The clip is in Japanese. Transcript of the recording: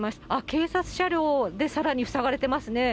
警察車両でさらに塞がれてますね。